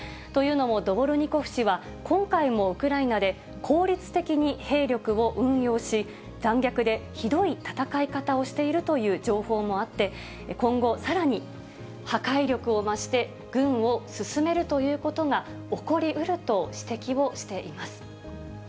というのも、ドボルニコフ氏は、今回もウクライナで効率的に兵力を運用し、残虐でひどい戦い方をしているという情報もあって、今後、さらに破壊力を増して、軍を進めるということが起こりうると指摘をしています。